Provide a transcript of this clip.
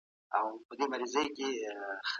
ایا لوی صادروونکي وچ انار پروسس کوي؟